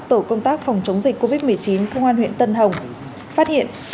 tổ công tác phòng chống dịch covid một mươi chín công an huyện tân hồng phát hiện